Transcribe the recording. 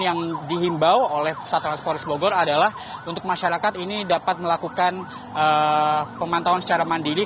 yang dihimbau oleh satlantas polres bogor adalah untuk masyarakat ini dapat melakukan pemantauan secara mandiri